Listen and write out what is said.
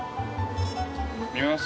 見えます？